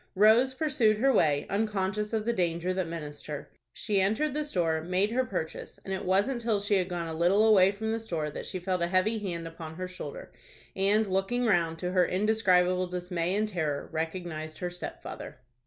Rose pursued her way, unconscious of the danger that menaced her. She entered the store, made her purchase, and it wasn't till she had gone a little away from the store that she felt a heavy hand upon her shoulder, and, looking round, to her indescribable dismay and terror, recognized her stepfather.